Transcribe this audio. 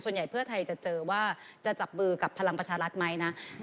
เผื่อเพื่อไทยจะเจอว่าจะจับมือกับพลังประชารัฐไหมนะ